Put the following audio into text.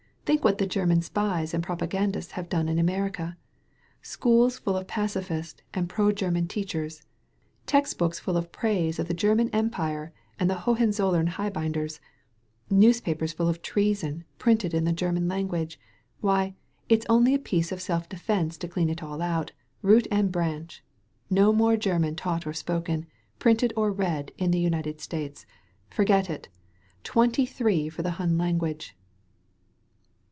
Think what the German spies and propagandists have done in America. Schools full of pacifist and pro German teachers; text books full of praise of the German Empire and the Hohen zoUem Highbinders; newspapers full of treason, printed in the (Jerman language. Why, it's only a piece of self defense to dean it all out, root and branch. No more German taught or spoken, printed or read, in the United States. Forget it ! Twenty three for the Hun language